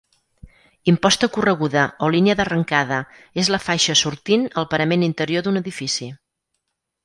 Imposta correguda, o línia d'arrencada, és la faixa sortint al parament interior d'un edifici.